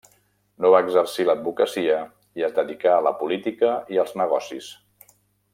No va exercir l'advocacia i es dedicà a la política i als negocis.